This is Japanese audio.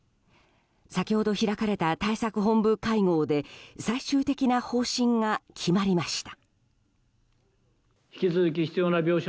先ほど開かれた対策本部会合で最終的な方針が決まりました。